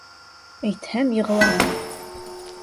— Әйтһәм, йығылаһың.